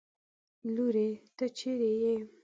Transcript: لورې! ته چېرې يې؟